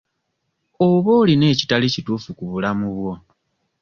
Oba olina ekitali kituufu ku bulamu bwo?